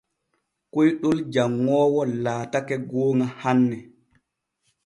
Koyɗol janŋoowo laatake gooŋa hanne.